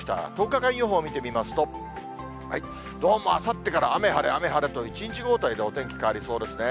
１０日間予報見てみますと、どうもあさってから雨晴れ、雨晴れと、１日交替でお天気変わりそうですね。